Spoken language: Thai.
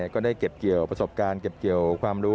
ก็ได้เก็บเกี่ยวประสบการณ์เก็บเกี่ยวความรู้